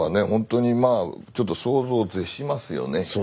本当にまあちょっと想像を絶しますよね。